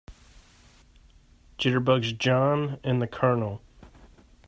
Jitterbugs JOHN and the COLONEL.